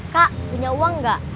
kak punya uang gak